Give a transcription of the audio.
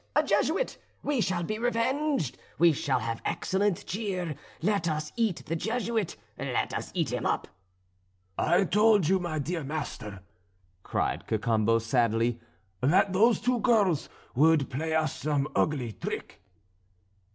a Jesuit! we shall be revenged, we shall have excellent cheer, let us eat the Jesuit, let us eat him up!" "I told you, my dear master," cried Cacambo sadly, "that those two girls would play us some ugly trick."